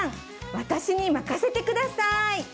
私に任せてください。